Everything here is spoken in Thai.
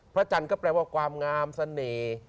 พระจันทร์ก็แปลว่าความงามเสน่ห์